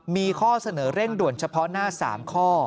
มีข้อเสนอเร่งด่วนเฉพาะหน้า๓ข้อ